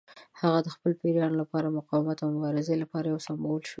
هغه د خپلو پیروانو لپاره د مقاومت او مبارزې لپاره یو سمبول شو.